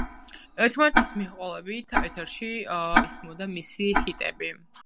ერთმანეთის მიყოლებით ეთერში ისმოდა მისი ჰიტები.